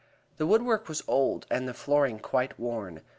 The woodwork was old and the flooring quite worn.